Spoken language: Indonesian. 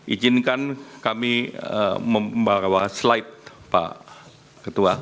izinkan kami membawa slide pak ketua